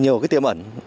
nhiều cái tiềm ẩn